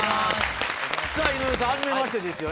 井上さんはじめましてですよね